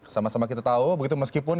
sama sama kita tahu begitu meskipun